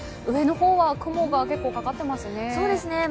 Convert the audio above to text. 上の方は結構、雲がかかっていますね。